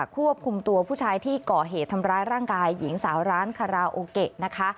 ควบคุมตัวผู้ชายที่ก่อเหตุทำร้ายร่างกายหญิงสาวร้านคาราโอเกะนะคะ